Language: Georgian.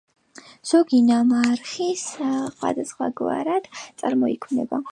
ზოგი ნამარხი სხვაგვარად წარმოიქმნება.